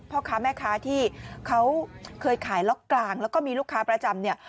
พ่อค้าแม่ค้าที่เขาเคยขายล็อกกลางแล้วก็มีลูกค้าประจำเนี่ย